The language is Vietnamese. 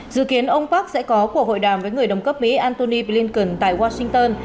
dự kiến ông park sẽ có cuộc hội đàm với người đồng cấp mỹ antony blinken tại washington